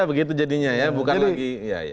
begitu jadinya ya bukan lagi